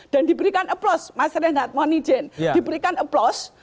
dan diberikan aplaus mas renat monijen diberikan aplaus